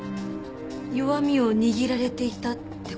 弱みを握られていたって事？